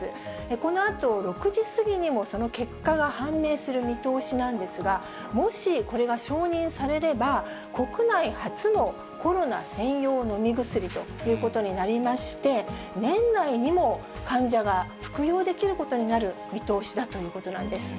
このあと６時過ぎにもその結果が判明する見通しなんですが、もしこれが承認されれば、国内初のコロナ専用飲み薬ということになりまして、年内にも患者が服用できるようになる見通しだということなんです。